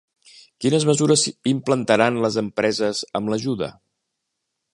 Quines mesures implantaran les empreses amb l'ajuda?